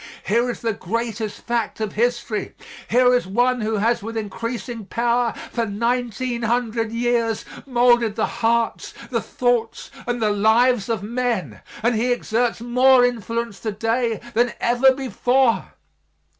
Here is the greatest fact of history; here is One who has with increasing power, for nineteen hundred years, moulded the hearts, the thoughts and the lives of men, and He exerts more influence to day than ever before.